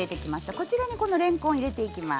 こちらにれんこんを入れていきます。